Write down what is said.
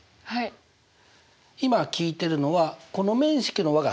今聞いてるのはこの面積の和が最小になる。